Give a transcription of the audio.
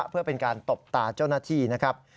เพื่อเป็นการตบตาเจ้าหน้าที่นะครับ